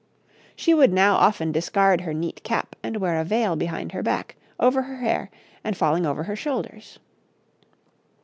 She would now often discard her neat cap and wear a veil behind her back, over her hair, and falling over her shoulders.